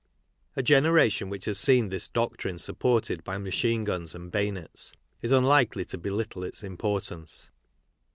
A generation which has seen this doctrine supported by machine guns and bayonets is unlikely to belittle its importance.